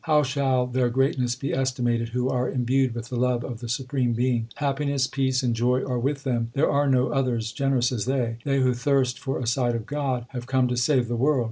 How shall their greatness be estimated who are imbued with the love of the supreme Being ? Happiness, peace, and joy are with them ; there are no others generous as they. They who thirst for a sight of God, have come to save the world.